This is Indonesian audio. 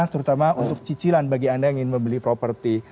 terutama untuk cicilan bagi anda yang ingin membeli properti